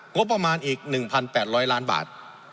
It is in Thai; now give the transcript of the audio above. งบประมาณอีก๑๘๐๐ล้านบาท